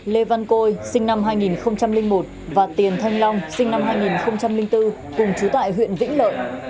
lê văn côi sinh năm hai nghìn một và tiền thanh long sinh năm hai nghìn bốn cùng chú tại huyện vĩnh lợi